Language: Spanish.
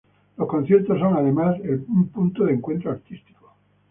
Los conciertos son, además, un punto de encuentro artístico.